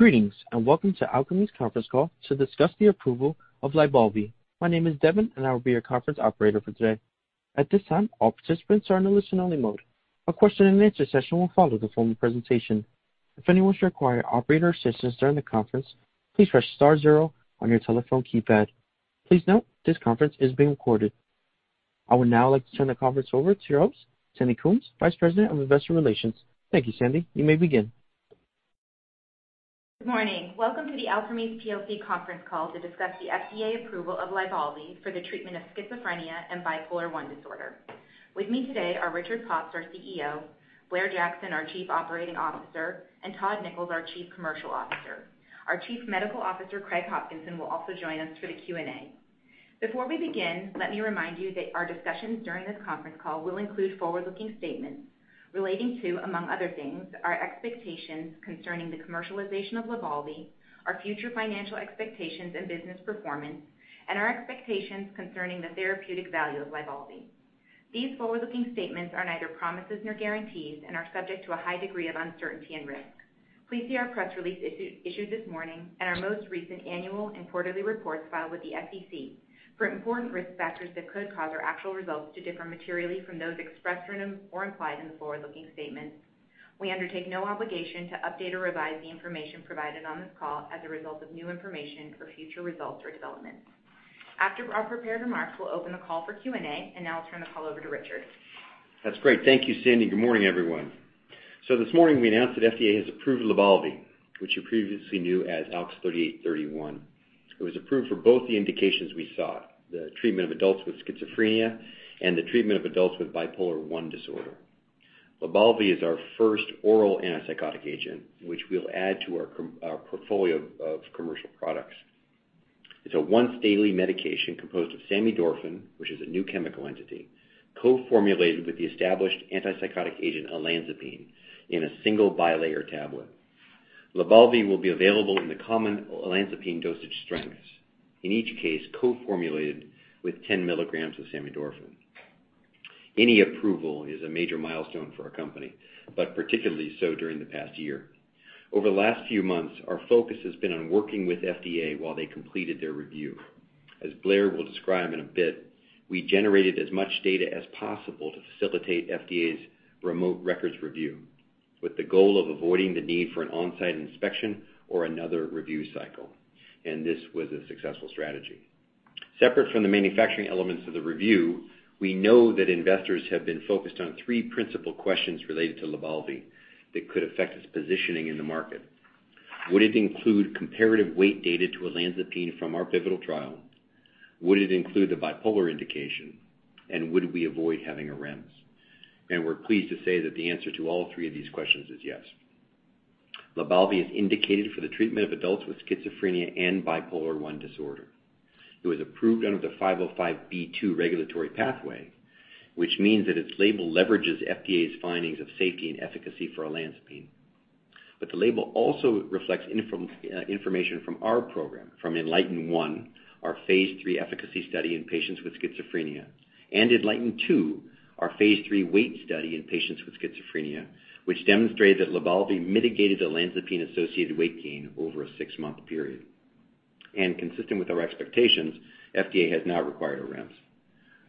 Greetings, welcome to Alkermes' conference call to discuss the approval of LYBALVI. My name is Devin, I will be your conference operator for today. At this time, all participants are in a listen-only mode. A question-and-answer session will follow the formal presentation. If anyone should require operator assistance during the conference, please press star zero on your telephone keypad. Please note, this conference is being recorded. I would now like to turn the conference over to Sandy Coombs, Vice President of Investor Relations. Thank you, Sandy. You may begin. Good morning. Welcome to the Alkermes plc conference call to discuss the FDA approval of LYBALVI for the treatment of schizophrenia and bipolar I disorder. With me today are Richard Pops, our CEO, Blair Jackson, our Chief Operating Officer, and Todd Nichols, our Chief Commercial Officer. Our Chief Medical Officer, Craig Hopkinson, will also join us for the Q&A. Before we begin, let me remind you that our discussions during the conference call will include forward-looking statements relating to, among other things, our expectations concerning the commercialization of LYBALVI, our future financial expectations and business performance, and our expectations concerning the therapeutic value of LYBALVI. These forward-looking statements are neither promises nor guarantees and are subject to a high degree of uncertainty and risk. Please see our press release issued this morning and our most recent annual and quarterly reports filed with the SEC for important risk factors that could cause our actual results to differ materially from those expressed here or implied in forward-looking statements. We undertake no obligation to update or revise the information provided on this call as a result of new information or future results or developments. After prepared remarks, we'll open a call for Q&A. Now I'll turn the call over to Richard. That's great. Thank you, Sandy. Good morning, everyone. This morning, we announced that FDA has approved LYBALVI, which you previously knew as ALKS 3831. It was approved for both the indications we sought, the treatment of adults with schizophrenia and the treatment of adults with bipolar I disorder. LYBALVI is our first oral antipsychotic agent, which we'll add to our portfolio of commercial products. It's a once-daily medication composed of samidorphan, which is a new chemical entity, co-formulated with the established antipsychotic agent olanzapine in a single bilayer tablet. LYBALVI will be available in the common olanzapine dosage strengths. In each case, co-formulated with 10 mg of samidorphan. Any approval is a major milestone for our company, but particularly so during the past year. Over the last few months, our focus has been on working with FDA while they completed their review. As Blair will describe in a bit, we generated as much data as possible to facilitate FDA's remote records review, with the goal of avoiding the need for an on-site inspection or another review cycle. This was a successful strategy. Separate from the manufacturing elements of the review, we know that investors have been focused on three principal questions related to LYBALVI that could affect its positioning in the market. Would it include comparative weight data to olanzapine from our pivotal trial? Would it include a bipolar indication? Would we avoid having a REMS? We're pleased to say that the answer to all three of these questions is yes. LYBALVI is indicated for the treatment of adults with schizophrenia and bipolar I disorder. It was approved under the 505(b)(2) regulatory pathway, which means that its label leverages FDA's findings of safety and efficacy for olanzapine. The label also reflects information from our program, from ENLIGHTEN-1, our phase III efficacy study in patients with schizophrenia, and ENLIGHTEN-2, our phase III weight study in patients with schizophrenia, which demonstrated that LYBALVI mitigated olanzapine-associated weight gain over a six-month period. Consistent with our expectations, FDA has not required a REMS.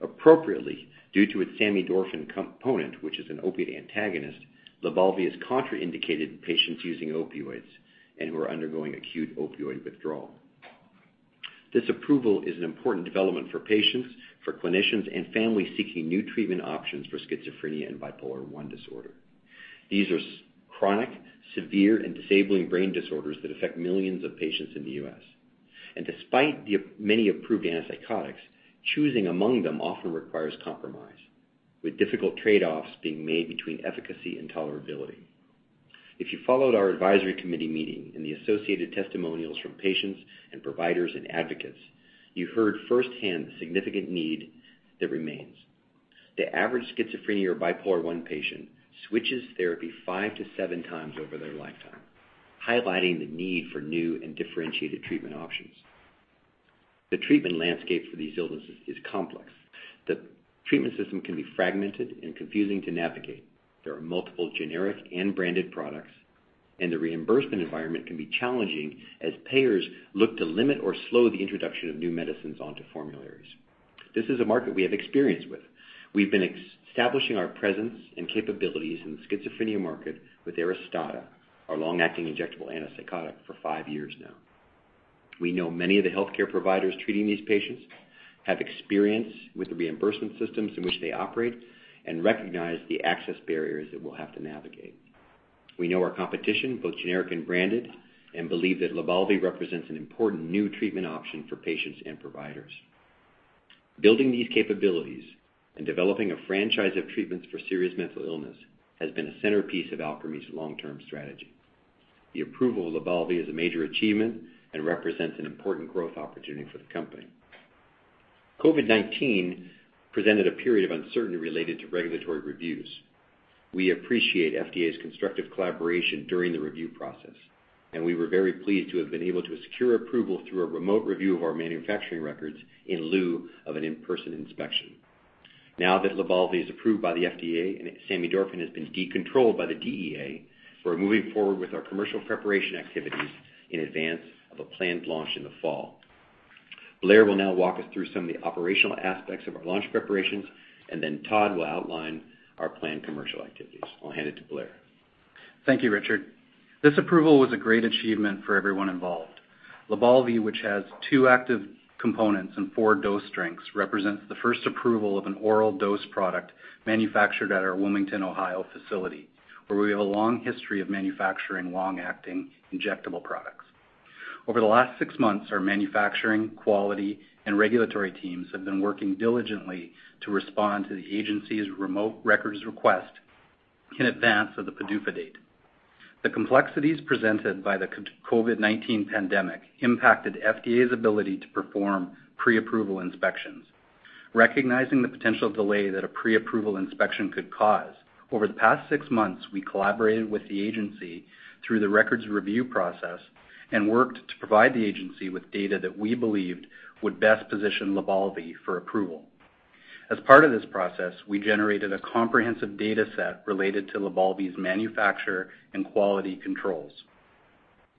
Appropriately, due to its samidorphan component, which is an opioid antagonist, LYBALVI is contraindicated in patients using opioids and who are undergoing acute opioid withdrawal. This approval is an important development for patients, for clinicians, and families seeking new treatment options for schizophrenia and bipolar I disorder. These are chronic, severe, and disabling brain disorders that affect millions of patients in the U.S. Despite the many approved antipsychotics, choosing among them often requires compromise, with difficult trade-offs being made between efficacy and tolerability. If you followed our advisory committee meeting and the associated testimonials from patients and providers and advocates, you heard firsthand the significant need that remains. The average schizophrenia bipolar I patient switches therapy five to seven times over their lifetime, highlighting the need for new and differentiated treatment options. The treatment landscape for these illnesses is complex. The treatment system can be fragmented and confusing to navigate. There are multiple generic and branded products, and the reimbursement environment can be challenging as payers look to limit or slow the introduction of new medicines onto formularies. This is a market we have experience with. We've been establishing our presence and capabilities in the schizophrenia market with ARISTADA, our long-acting injectable antipsychotic, for five years now. We know many of the healthcare providers treating these patients have experience with the reimbursement systems in which they operate and recognize the access barriers that we'll have to navigate. We know our competition, both generic and branded, and believe that LYBALVI represents an important new treatment option for patients and providers. Building these capabilities and developing a franchise of treatments for serious mental illness has been a centerpiece of Alkermes' long-term strategy. The approval of LYBALVI is a major achievement and represents an important growth opportunity for the company. COVID-19 presented a period of uncertainty related to regulatory reviews. We appreciate FDA's constructive collaboration during the review process. We were very pleased to have been able to secure approval through a remote review of our manufacturing records in lieu of an in-person inspection. Now that LYBALVI is approved by the FDA and samidorphan has been decontrolled by the DEA, we're moving forward with our commercial preparation activities in advance of a planned launch in the fall. Blair will now walk us through some of the operational aspects of our launch preparations, and then Todd will outline our planned commercial activities. I'll hand it to Blair. Thank you, Richard. This approval was a great achievement for everyone involved. LYBALVI, which has two active components and four dose strengths, represents the first approval of an oral dose product manufactured at our Wilmington, Ohio facility, where we have a long history of manufacturing long-acting injectable products. Over the last six months, our manufacturing, quality, and regulatory teams have been working diligently to respond to the agency's remote records request in advance of the PDUFA date. The complexities presented by the COVID-19 pandemic impacted FDA's ability to perform pre-approval inspections. Recognizing the potential delay that a pre-approval inspection could cause, over the past six months, we collaborated with the agency through the records review process and worked to provide the agency with data that we believed would best position LYBALVI for approval. As part of this process, we generated a comprehensive data set related to LYBALVI's manufacture and quality controls.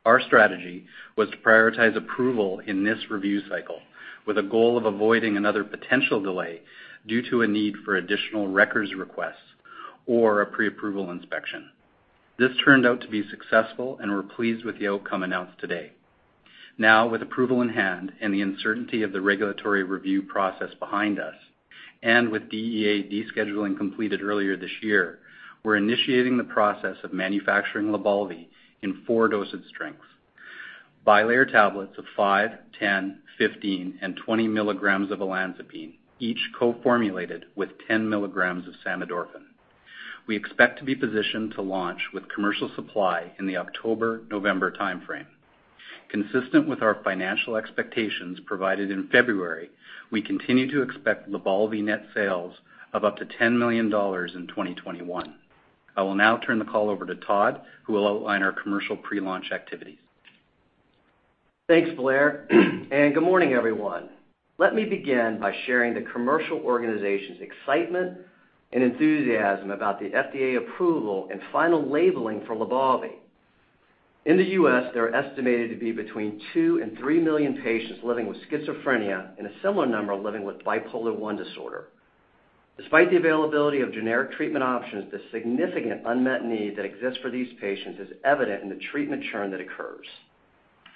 Our strategy was to prioritize approval in this review cycle with a goal of avoiding another potential delay due to a need for additional records requests or a pre-approval inspection. This turned out to be successful, and we're pleased with the outcome announced today. With approval in hand and the uncertainty of the regulatory review process behind us, and with DEA descheduling completed earlier this year, we're initiating the process of manufacturing LYBALVI in four dosage strengths. Bilayer tablets of five, 10, 15, and 20 mg of olanzapine, each co-formulated with 10 mg of samidorphan. We expect to be positioned to launch with commercial supply in the October-November timeframe. Consistent with our financial expectations provided in February, we continue to expect LYBALVI net sales of up to $10 million in 2021. I will now turn the call over to Todd, who will outline our commercial pre-launch activities. Thanks, Blair, and good morning, everyone. Let me begin by sharing the commercial organization's excitement and enthusiasm about the FDA approval and final labeling for LYBALVI. In the U.S., there are estimated to be between two and three million patients living with schizophrenia and a similar number living with bipolar I disorder. Despite the availability of generic treatment options, the significant unmet need that exists for these patients is evident in the treatment churn that occurs.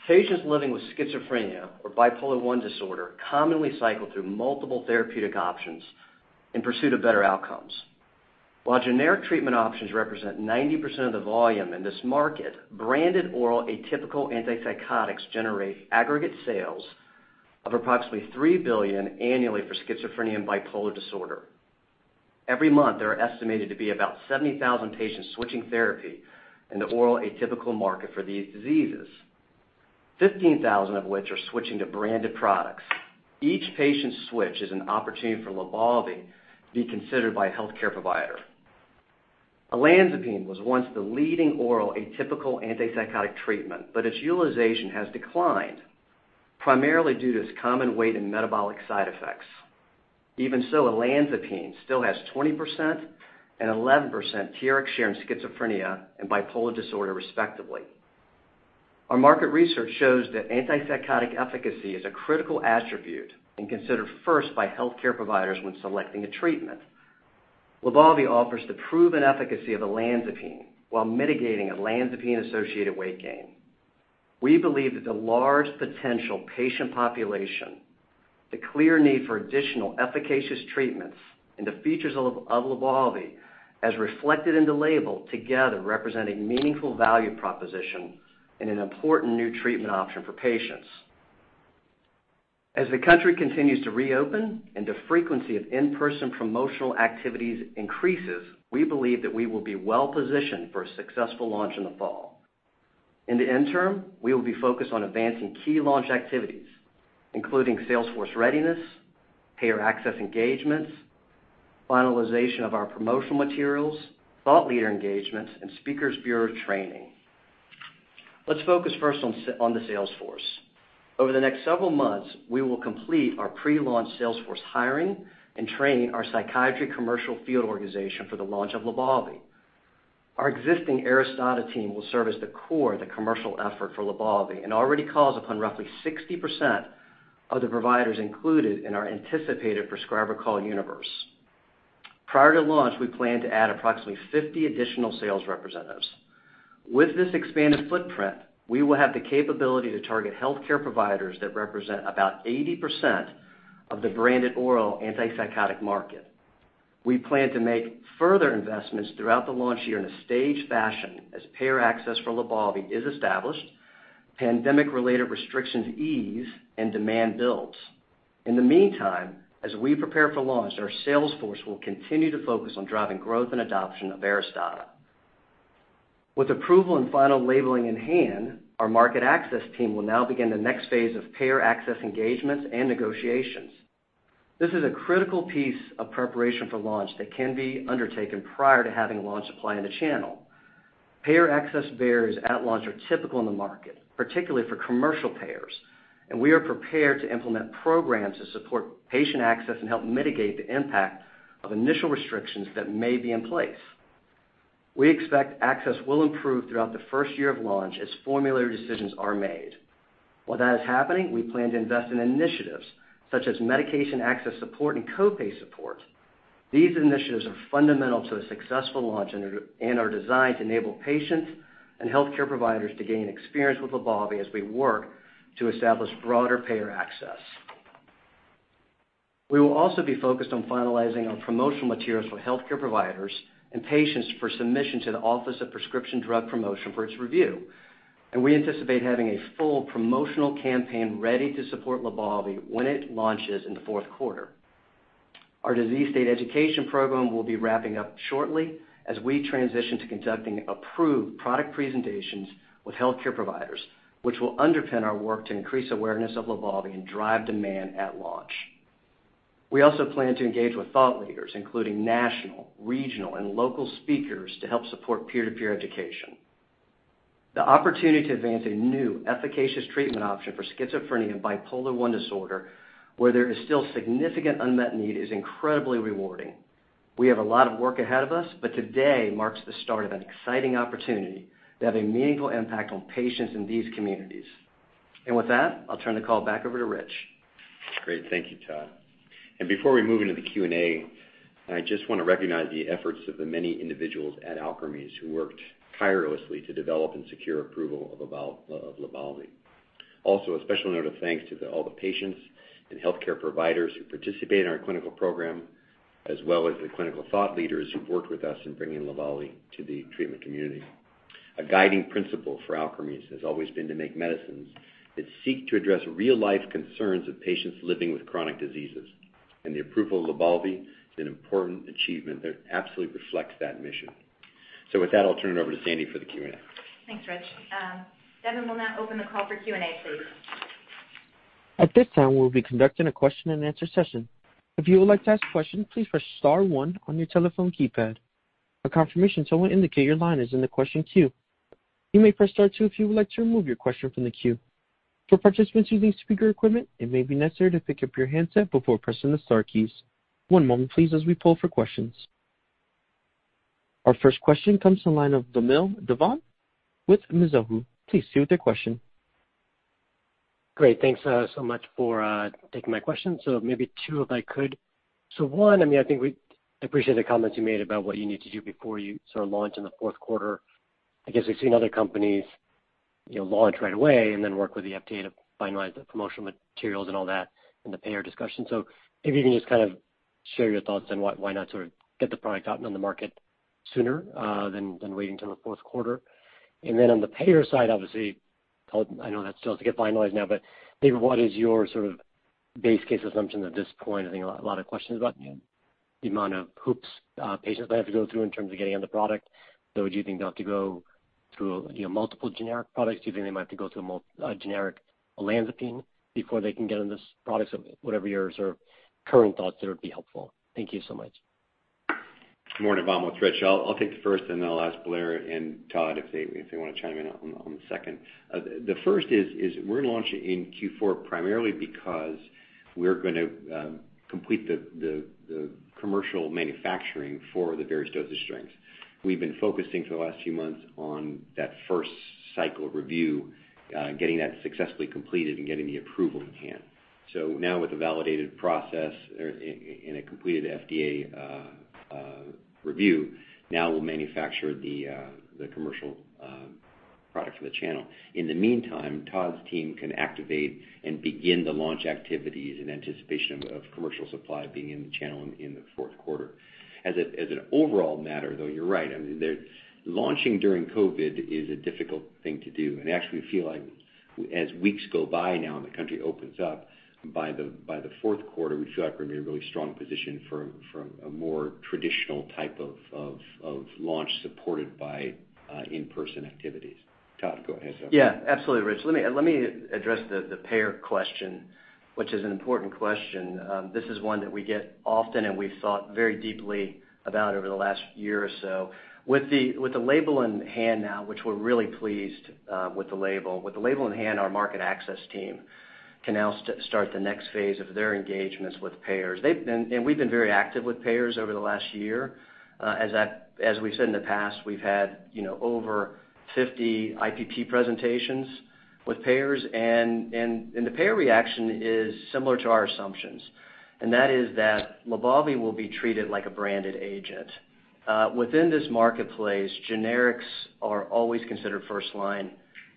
Patients living with schizophrenia or bipolar I disorder commonly cycle through multiple therapeutic options in pursuit of better outcomes. While generic treatment options represent 90% of the volume in this market, branded oral atypical antipsychotics generate aggregate sales of approximately $3 billion annually for schizophrenia and bipolar disorder. Every month, there are estimated to be about 70,000 patients switching therapy in the oral atypical market for these diseases. 15,000 of which are switching to branded products. Each patient switch is an opportunity for LYBALVI to be considered by a healthcare provider. olanzapine was once the leading oral atypical antipsychotic treatment, but its utilization has declined, primarily due to its common weight and metabolic side effects. Even so, olanzapine still has 20% and 11% TRx share in schizophrenia and bipolar disorder, respectively. Our market research shows that antipsychotic efficacy is a critical attribute and considered first by healthcare providers when selecting a treatment. LYBALVI offers the proven efficacy of olanzapine while mitigating olanzapine-associated weight gain. We believe that the large potential patient population, the clear need for additional efficacious treatments, and the features of LYBALVI as reflected in the label together represent a meaningful value proposition and an important new treatment option for patients. As the country continues to reopen and the frequency of in-person promotional activities increases, we believe that we will be well-positioned for a successful launch in the fall. In the interim, we will be focused on advancing key launch activities, including sales force readiness, payer access engagements, finalization of our promotional materials, thought leader engagements, and speakers bureau training. Let's focus first on the sales force. Over the next several months, we will complete our pre-launch sales force hiring and training our psychiatry commercial field organization for the launch of LYBALVI. Our existing ARISTADA team will serve as the core of the commercial effort for LYBALVI and already calls upon roughly 60% of the providers included in our anticipated prescriber call universe. Prior to launch, we plan to add approximately 50 additional sales representatives. With this expanded footprint, we will have the capability to target healthcare providers that represent about 80% of the branded oral antipsychotic market. We plan to make further investments throughout the launch year in a staged fashion as payer access for LYBALVI is established, pandemic-related restrictions ease, and demand builds. In the meantime, as we prepare for launch, our sales force will continue to focus on driving growth and adoption of ARISTADA. With approval and final labeling in hand, our market access team will now begin the next phase of payer access engagements and negotiations. This is a critical piece of preparation for launch that can be undertaken prior to having launch supply in the channel. Payer access barriers at launch are typical in the market, particularly for commercial payers, and we are prepared to implement programs to support patient access and help mitigate the impact of initial restrictions that may be in place. We expect access will improve throughout the first year of launch as formulary decisions are made. While that is happening, we plan to invest in initiatives such as medication access support and co-pay support. These initiatives are fundamental to a successful launch and are designed to enable patients and healthcare providers to gain experience with LYBALVI as we work to establish broader payer access. We will also be focused on finalizing our promotional materials for healthcare providers and patients for submission to the Office of Prescription Drug Promotion for its review, and we anticipate having a full promotional campaign ready to support LYBALVI when it launches in the fourth quarter. Our disease state education program will be wrapping up shortly as we transition to conducting approved product presentations with healthcare providers, which will underpin our work to increase awareness of LYBALVI and drive demand at launch. We also plan to engage with thought leaders, including national, regional, and local speakers, to help support peer-to-peer education. The opportunity to advance a new efficacious treatment option for schizophrenia and bipolar I disorder where there is still significant unmet need is incredibly rewarding. We have a lot of work ahead of us. Today marks the start of an exciting opportunity to have a meaningful impact on patients in these communities. With that, I'll turn the call back over to Rich. Great. Thank you, Todd. Before we move into the Q&A, I just want to recognize the efforts of the many individuals at Alkermes who worked tirelessly to develop and secure approval of LYBALVI. A special note of thanks to all the patients and healthcare providers who participated in our clinical program, as well as the clinical thought leaders who worked with us in bringing LYBALVI to the treatment community. A guiding principle for Alkermes has always been to make medicines that seek to address real-life concerns of patients living with chronic diseases, and the approval of LYBALVI is an important achievement that absolutely reflects that mission. With that, I'll turn it over to Sandy for the Q&A. Thanks, Rich. Devin will now open the call for Q&A. At this time, we'll be conducting a question and answer session. If you would like to ask questions, please press star one on your telephone keypad. Upon permission, someone indicate your line is in the question queue. You may press star two if you would like to remove your question from the queue. For participants using speaker equipment, it may be necessary to pick up your handset before pressing the star keys. One moment, please, as we poll for questions. Our first question comes from the line of Vamil Divan with Mizuho. Please proceed with your question. Great. Thanks so much for taking my question. Maybe two, if I could. One, I think we appreciate the comments you made about what you need to do before you launch in the fourth quarter. I guess we've seen other companies launch right away and then work with the FDA to finalize the promotional materials and all that in the payer discussion. Maybe you can just share your thoughts on why not get the product out in the market sooner than waiting until the fourth quarter. On the payer side, obviously, I know that's still to get finalized now, but maybe what is your base case assumption at this point? I think a lot of questions about the amount of hoops patients might have to go through in terms of getting on the product. Do you think they'll have to go through multiple generic products? Do you think they might have to go through a generic olanzapine before they can get on this product? Whatever your current thoughts there would be helpful. Thank you so much. Good morning, Vamil. It's Rich. I'll take the first, then I'll ask Blair and Todd if they want to chime in on the second. The first is we're launching in Q4 primarily because we're going to complete the commercial manufacturing for the various dosage strengths. We've been focusing for the last few months on that first cycle review, getting that successfully completed, and getting the approval in hand. Now with a validated process and a completed FDA review, now we'll manufacture the commercial product for the channel. In the meantime, Todd's team can activate and begin the launch activities in anticipation of commercial supply being in the channel in the fourth quarter. As an overall matter, though, you're right. Launching during COVID is a difficult thing to do. Actually, we feel like as weeks go by now and the country opens up, by the fourth quarter, we feel like we're going to be in a really strong position for a more traditional type of launch supported by in-person activities. Todd, go ahead. Absolutely, Rich. Let me address the payer question, which is an important question. This is one that we get often, and we've thought very deeply about over the last year or so. With the label in hand now, which we're really pleased with the label. With the label in hand, our market access team can now start the next phase of their engagements with payers. We've been very active with payers over the last year. As we've said in the past, we've had over 50 IPP presentations with payers, and the payer reaction is similar to our assumptions, and that is that LYBALVI will be treated like a branded agent. Within this marketplace, generics are always considered first-line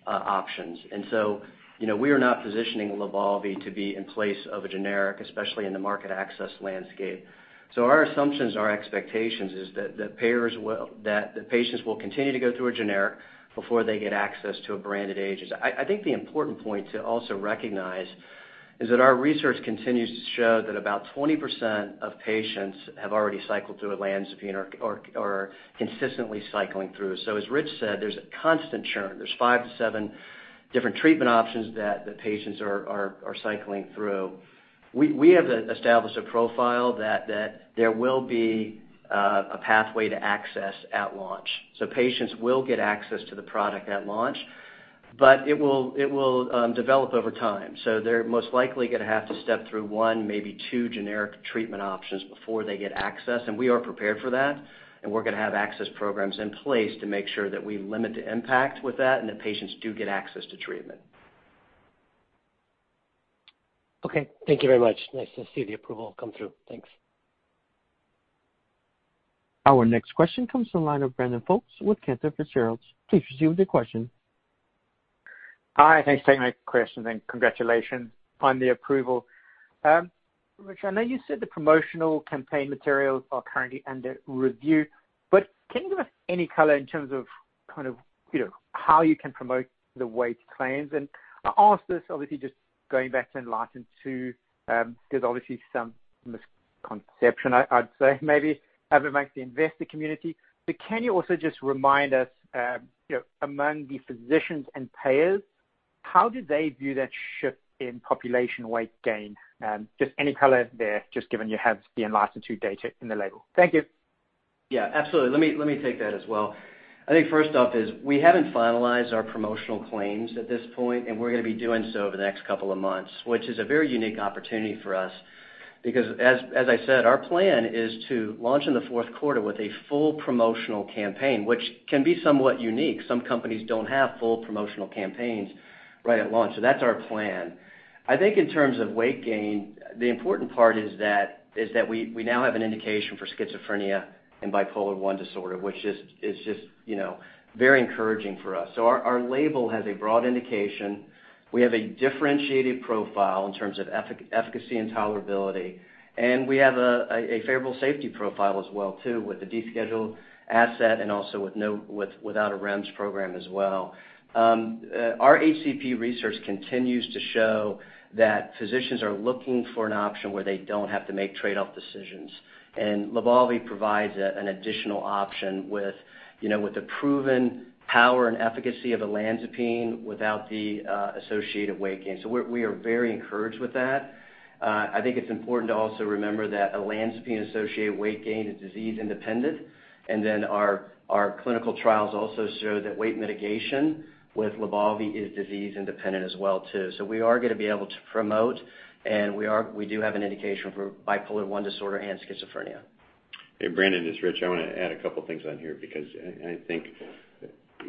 options. We are not positioning LYBALVI to be in place of a generic, especially in the market access landscape. Our assumptions and our expectations is that the patients will continue to go through a generic before they get access to a branded agent. I think the important point to also recognize is that our research continues to show that about 20% of patients have already cycled through olanzapine or are consistently cycling through. As Rich said, there's a constant churn. There's five to seven different treatment options that the patients are cycling through. We have established a profile that there will be a pathway to access at launch. Patients will get access to the product at launch, but it will develop over time. They're most likely going to have to step through one, maybe two generic treatment options before they get access, and we are prepared for that, and we're going to have access programs in place to make sure that we limit the impact with that and that patients do get access to treatment. Okay. Thank you very much. Nice to see the approval come through. Thanks. Our next question comes from the line of Brandon Folkes with Cantor Fitzgerald. Please proceed with your question. Hi. Thanks for taking my question, and congratulations on the approval. Rich, I know you said the promotional campaign materials are currently under review, but can you give us any color in terms of how you can promote the weight claims? I ask this obviously just going back to ENLIGHTEN-2 because obviously some misconception, I'd say maybe, out amongst the investor community. Can you also just remind us, among the physicians and payers, how do they view that shift in population weight gain? Just any color there, just given you have the ENLIGHTEN-2 data in the label. Thank you. Yeah, absolutely. Let me take that as well. I think first off is we haven't finalized our promotional claims at this point, and we're going to be doing so over the next couple of months. It is a very unique opportunity for us because, as I said, our plan is to launch in the fourth quarter with a full promotional campaign, which can be somewhat unique. Some companies don't have full promotional campaigns right at launch. That's our plan. I think in terms of weight gain, the important part is that we now have an indication for schizophrenia and bipolar I disorder, which is just very encouraging for us. Our label has a broad indication. We have a differentiated profile in terms of efficacy and tolerability, and we have a favorable safety profile as well too, with a de-scheduled asset and also without a REMS program as well. Our HCP research continues to show that physicians are looking for an option where they don't have to make trade-off decisions. LYBALVI provides an additional option with the proven power and efficacy of olanzapine without the associated weight gain. We are very encouraged with that. I think it's important to also remember that olanzapine-associated weight gain is disease independent, and then our clinical trials also show that weight mitigation with LYBALVI is disease independent as well too. We are going to be able to promote, and we do have an indication for bipolar I disorder and schizophrenia. Brandon, this is Rich. I want to add a couple things on here because I think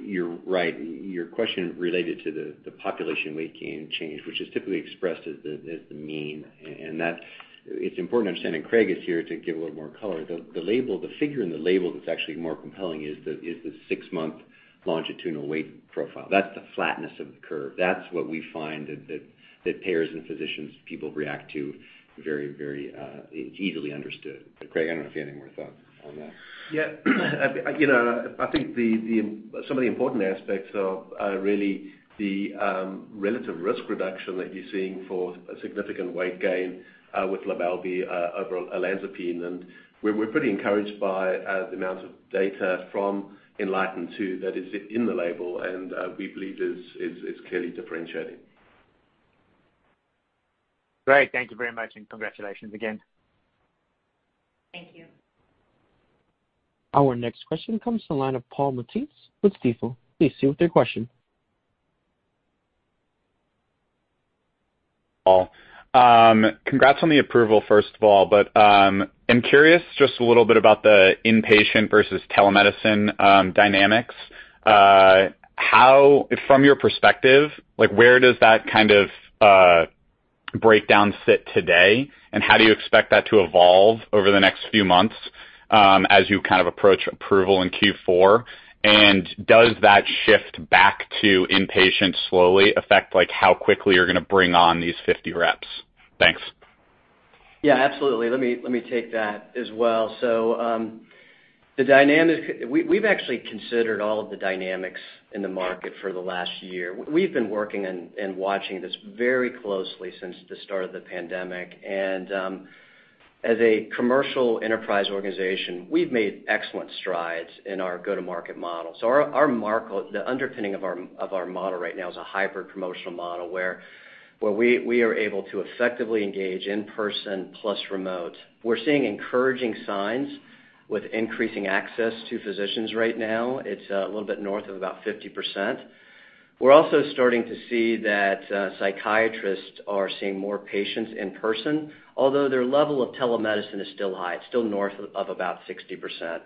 you're right. Your question related to the population weight gain change, which is typically expressed as the mean. It's important, understanding Craig is here to give a little more color. The figure in the label that's actually more compelling is the six-month longitudinal weight profile. That's the flatness of the curve. That's what we find that payers and physicians, people react to very easily understood. Craig, I don't know if you have any more thoughts on that. Yeah. I think some of the important aspects are really the relative risk reduction that you're seeing for a significant weight gain with LYBALVI, olanzapine. We're pretty encouraged by the amount of data from ENLIGHTEN-2 that is in the label and we believe is clearly differentiating. Great. Thank you very much, and congratulations again. Thank you. Our next question comes from the line of Paul Matteis with [Stifel]. Please proceed with your question. Paul. Congrats on the approval, first of all. I'm curious just a little bit about the inpatient versus telemedicine dynamics. From your perspective, where does that kind of breakdown sit today, and how do you expect that to evolve over the next few months as you kind of approach approval in Q4? Does that shift back to inpatient slowly affect how quickly you're going to bring on these 50 reps? Thanks. Yeah, absolutely. Let me take that as well. We've actually considered all of the dynamics in the market for the last year. We've been working and watching this very closely since the start of the pandemic. As a commercial enterprise organization, we've made excellent strides in our go-to-market model. The underpinning of our model right now is a hybrid promotional model where we are able to effectively engage in-person plus remote. We're seeing encouraging signs with increasing access to physicians right now. It's a little bit north of about 50%. We're also starting to see that psychiatrists are seeing more patients in person, although their level of telemedicine is still high, still north of about 60%.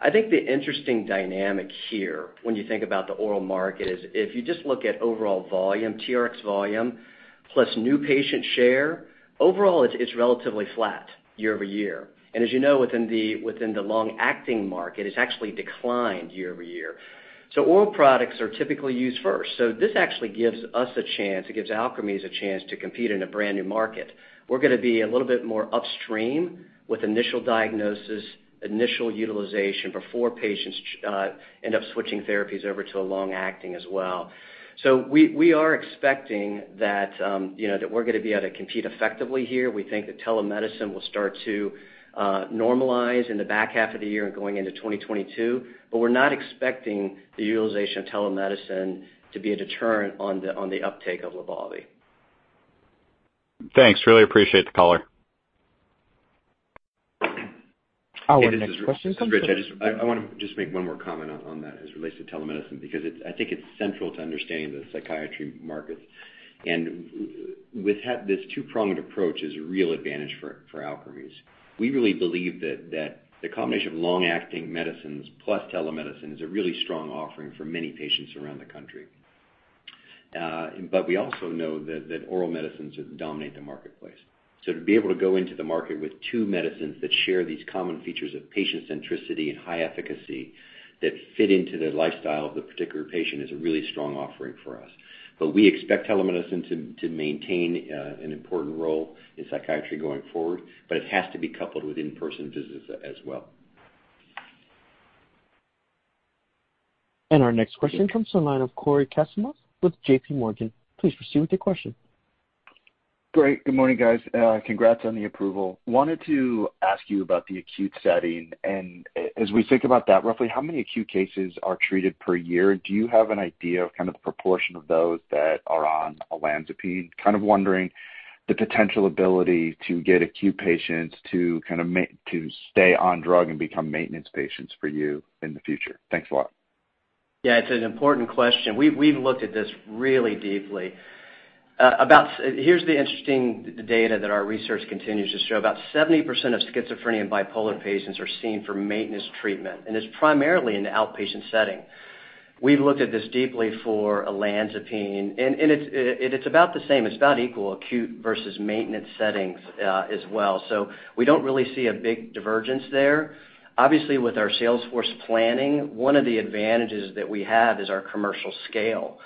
I think the interesting dynamic here when you think about the oral market is if you just look at overall volume, TRx volume, plus new patient share, overall it's relatively flat year-over-year. As you know, within the long-acting market, it's actually declined year-over-year. Oral products are typically used first. This actually gives us a chance, it gives Alkermes a chance to compete in a brand-new market. We're going to be a little bit more upstream with initial diagnosis, initial utilization before patients end up switching therapies over to a long-acting as well. We are expecting that we're going to be able to compete effectively here. We think that telemedicine will start to normalize in the back half of the year and going into 2022. We're not expecting the utilization of telemedicine to be a deterrent on the uptake of LYBALVI. Thanks. Really appreciate the call. Our next question comes from. Great. I want to just make one more comment on that as it relates to telemedicine, because I think it's central to understanding the psychiatry markets. This two-pronged approach is a real advantage for Alkermes. We really believe that the combination of long-acting medicines plus telemedicine is a really strong offering for many patients around the country. We also know that oral medicines dominate the marketplace. To be able to go into the market with two medicines that share these common features of patient centricity and high efficacy that fit into the lifestyle of the particular patient is a really strong offering for us. We expect telemedicine to maintain an important role in psychiatry going forward, but it has to be coupled with in-person visits as well. Our next question comes from the line of Cory Kasimov with JPMorgan. Please proceed with your question. Great. Good morning, guys. Congrats on the approval. Wanted to ask you about the acute setting. As we think about that, roughly how many acute cases are treated per year? Do you have an idea of kind of the proportion of those that are on olanzapine? Kind of wondering the potential ability to get acute patients to stay on drug and become maintenance patients for you in the future. Thanks a lot. Yeah, it's an important question. We've looked at this really deeply. Here's the interesting data that our research continues to show. About 70% of schizophrenia and bipolar patients are seen for maintenance treatment, and it's primarily in an outpatient setting. We've looked at this deeply for olanzapine, and it's about the same. It's about equal acute versus maintenance settings as well. We don't really see a big divergence there. Obviously, with our salesforce planning, one of the advantages that we have is our commercial scale.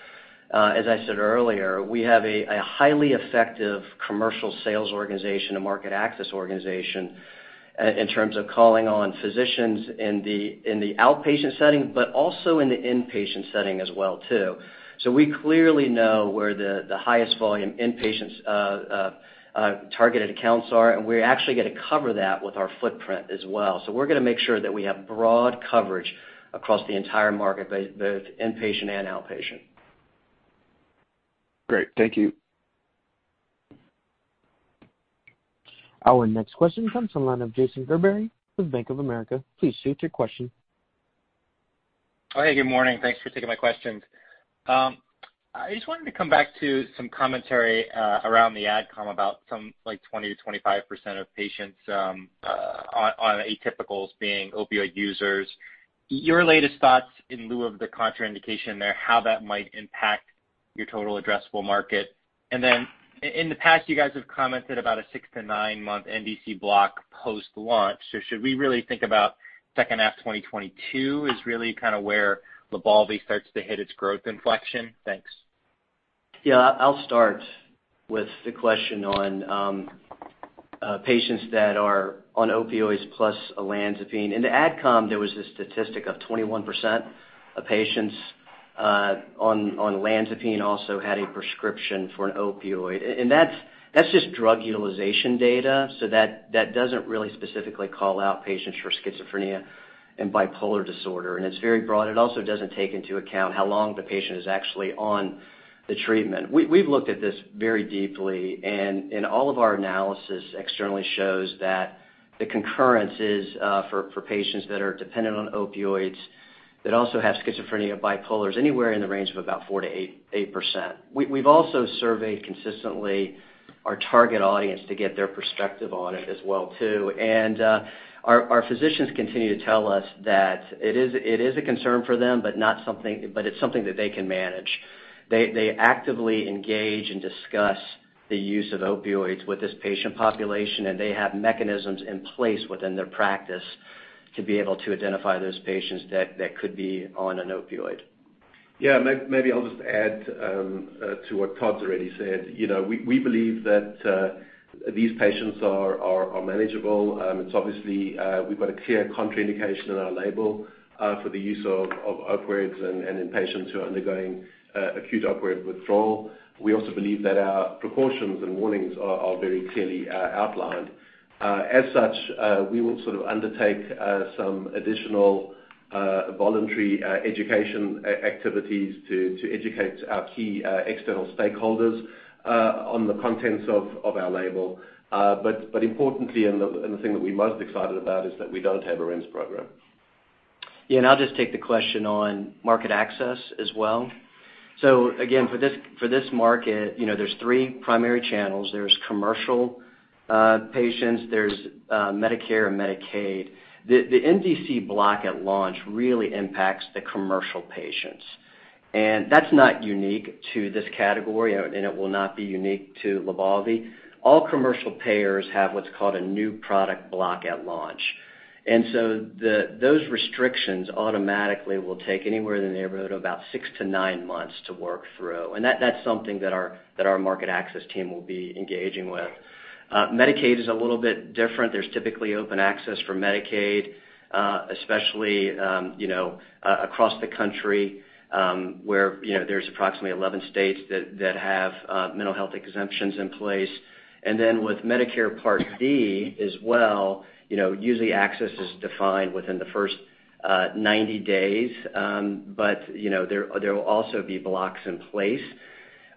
As I said earlier, we have a highly effective commercial sales organization and market access organization in terms of calling on physicians in the outpatient setting, but also in the inpatient setting as well too. We clearly know where the highest volume inpatient targeted accounts are, and we're actually going to cover that with our footprint as well. We're going to make sure that we have broad coverage across the entire market, both inpatient and outpatient. Great. Thank you. Our next question comes from the line of Jason Gerberry with Bank of America. Please state your question. Hey, good morning. Thanks for taking my questions. I just wanted to come back to some commentary around the ad com about some 20%-25% of patients on atypicals being opioid users. Your latest thoughts in lieu of the contraindication there, how that might impact your total addressable market. In the past, you guys have commented about a six- to nine-month new-to-market block post-launch. Should we really think about second half 2022 as really kind of where LYBALVI starts to hit its growth inflection? Thanks. Yeah, I'll start with the question on patients that are on opioids plus olanzapine. In the ad com, there was a statistic of 21% of patients on olanzapine also had a prescription for an opioid. That's just drug utilization data. That doesn't really specifically call out patients for schizophrenia and bipolar disorder. It's very broad. It also doesn't take into account how long the patient is actually on the treatment. We've looked at this very deeply. All of our analysis externally shows that the concurrence is for patients that are dependent on opioids that also have schizophrenia, bipolar is anywhere in the range of about 4%-8%. We've also surveyed consistently our target audience to get their perspective on it as well too. Our physicians continue to tell us that it is a concern for them. It's something that they can manage. They actively engage and discuss the use of opioids with this patient population, and they have mechanisms in place within their practice to be able to identify those patients that could be on an opioid. Maybe I'll just add to what Todd's already said. It's obviously we've got a clear contraindication on our label for the use of opioids and in patients who are undergoing acute opioid withdrawal. We also believe that our precautions and warnings are very clearly outlined. As such, we will sort of undertake some additional voluntary education activities to educate our key external stakeholders on the contents of our label. Importantly, and the thing that we're most excited about is that we don't have a risk program. Yeah, I'll just take the question on market access as well. Again, for this market, there's three primary channels. There's commercial patients, there's Medicare and Medicaid. The new-to-market block at launch really impacts the commercial patients. That's not unique to this category, and it will not be unique to LYBALVI. All commercial payers have what's called a new product block at launch. Those restrictions automatically will take anywhere in the neighborhood of about six to nine months to work through. That's something that our market access team will be engaging with. Medicaid is a little bit different. There's typically open access for Medicaid, especially across the country where there's approximately 11 states that have mental health exemptions in place. With Medicare Part D as well, usually access is defined within the first 90 days. There will also be blocks in place.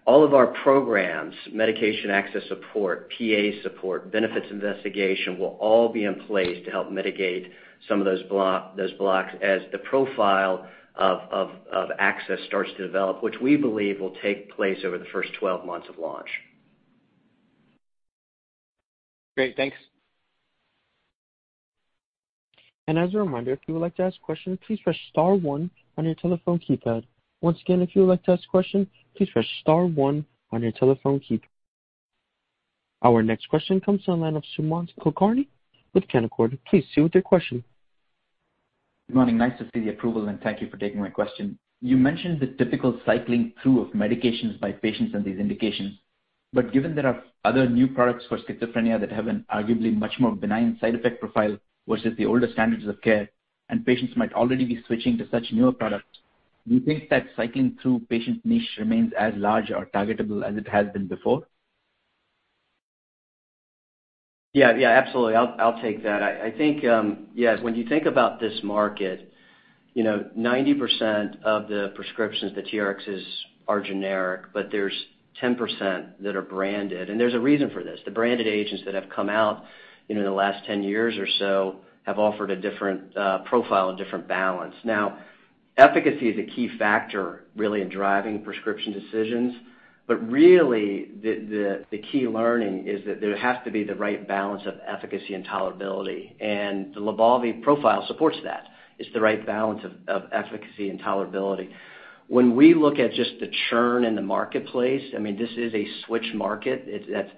All of our programs, Medication Access Support, PA Support, Benefits Investigation, will all be in place to help mitigate some of those blocks as the profile of access starts to develop, which we believe will take place over the first 12 months of launch. Great. Thanks. Our next question comes from the line of Sumant Kulkarni with Canaccord. Please proceed with your question. Good morning. Nice to see the approval, and thank you for taking my question. You mentioned the typical cycling through of medications by patients on these indications. Given there are other new products for schizophrenia that have an arguably much more benign side effect profile versus the older standards of care, and patients might already be switching to such newer products, do you think that cycling through patient niche remains as large or targetable as it has been before? Yeah, absolutely. I'll take that. I think, yes, when you think about this market, 90% of the prescriptions, the TRXs, are generic, but there's 10% that are branded. There's a reason for this. The branded agents that have come out in the last 10 years or so have offered a different profile, a different balance. Now, efficacy is a key factor really in driving prescription decisions. Really, the key learning is that there has to be the right balance of efficacy and tolerability. The LYBALVI profile supports that. It's the right balance of efficacy and tolerability. When we look at just the churn in the marketplace, I mean, this is a switch market.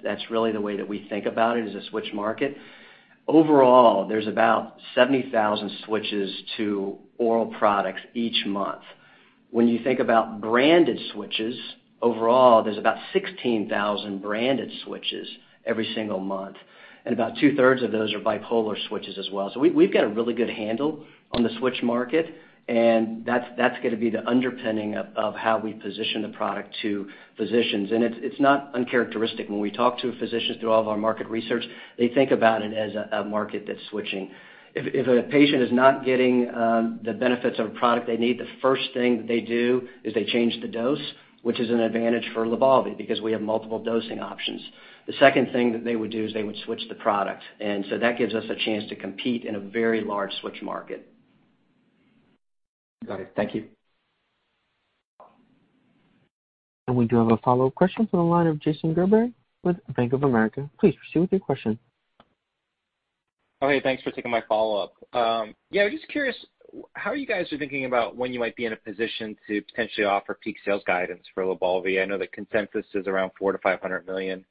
That's really the way that we think about it, is a switch market. Overall, there's about 70,000 switches to oral products each month. When you think about branded switches, overall, there's about 16,000 branded switches every single month, and about two-thirds of those are bipolar switches as well. We've got a really good handle on the switch market, and that's going to be the underpinning of how we position the product to physicians. It's not uncharacteristic. When we talk to a physician through all of our market research, they think about it as a market that's switching. If a patient is not getting the benefits of a product they need, the first thing that they do is they change the dose, which is an advantage for LYBALVI because we have multiple dosing options. The second thing that they would do is they would switch the product. That gives us a chance to compete in a very large switch market. Got it. Thank you. We do have a follow-up question from the line of Jason Gerberry with Bank of America. Please proceed with your question. Okay. Thanks for taking my follow-up. Just curious, how you guys are thinking about when you might be in a position to potentially offer peak sales guidance for LYBALVI. I know the consensus is around $400 million-$500 million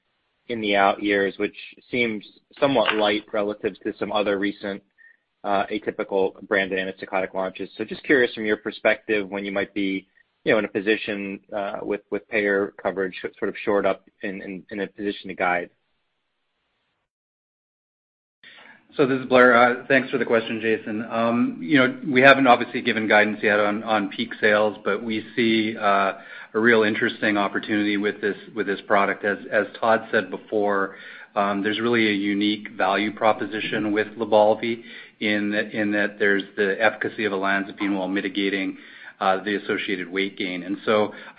in the out years, which seems somewhat light relative to some other recent atypical branded antipsychotic launches. Just curious from your perspective when you might be in a position with payer coverage sort of shored up in a position to guide. This is Blair. Thanks for the question, Jason Gerberry. We haven't obviously given guidance yet on peak sales, but we see a real interesting opportunity with this product. As Todd said before, there's really a unique value proposition with LYBALVI in that there's the efficacy of olanzapine while mitigating the associated weight gain.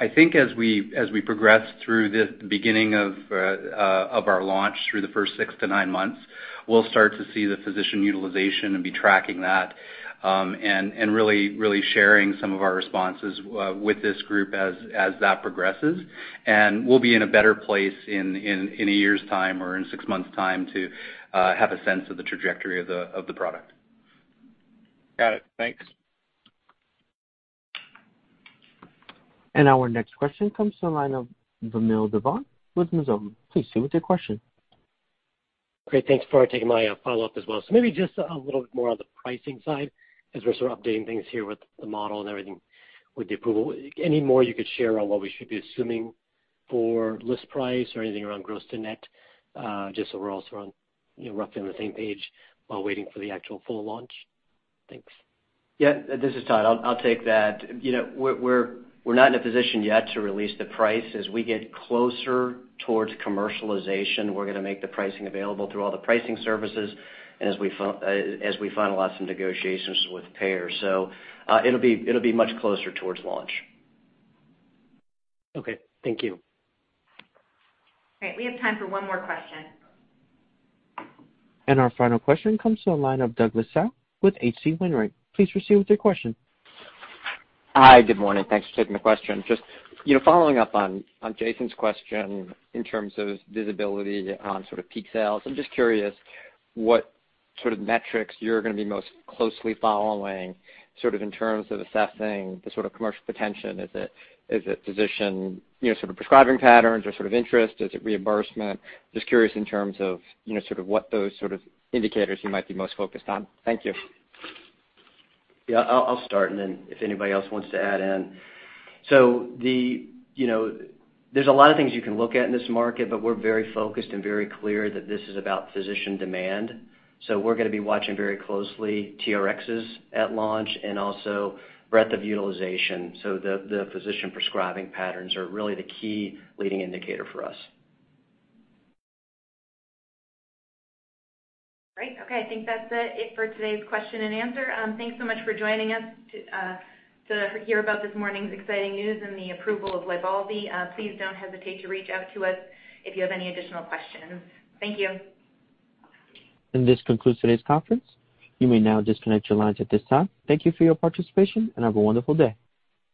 I think as we progress through the beginning of our launch through the first six to nine months, we'll start to see the physician utilization and be tracking that and really sharing some of our responses with this group as that progresses. We'll be in a better place in a year's time or in six months' time to have a sense of the trajectory of the product. Got it. Thanks. Our next question comes from the line of [Camille Dujovne] with Mizuho. Please proceed with your question. Great. Thanks, Todd, for taking my follow-up as well. Maybe just a little bit more on the pricing side as we're sort of updating things here with the model and everything with the approval. Any more you could share on what we should be assuming for list price or anything around gross to net, just so we're all sort of roughly on the same page while waiting for the actual full launch? Thanks. Yeah, this is Todd. I'll take that. We're not in a position yet to release the price. As we get closer towards commercialization, we're going to make the pricing available through all the pricing services and as we finalize some negotiations with payers. It'll be much closer towards launch. Okay. Thank you. All right. We have time for one more question. Our final question comes to the line of Douglas Tsao with H.C. Wainwright. Please proceed with your question. Hi, good morning. Thanks for taking the question. Just following up on Jason's question in terms of visibility on peak sales. I'm just curious what sort of metrics you're going to be most closely following in terms of assessing the commercial potential. Is it physician prescribing patterns or interest? Is it reimbursement? Just curious in terms of what those indicators you might be most focused on. Thank you. I'll start and then if anybody else wants to add in. There's a lot of things you can look at in this market, but we're very focused and very clear that this is about physician demand. We're going to be watching very closely TRXs at launch and also breadth of utilization. The physician prescribing patterns are really the key leading indicator for us. Great. Okay. I think that's it for today's question and answer. Thanks so much for joining us to hear about this morning's exciting news and the approval of LYBALVI. Please don't hesitate to reach out to us if you have any additional questions. Thank you. This concludes today's conference. You may now disconnect your lines at this time. Thank you for your participation, and have a wonderful day.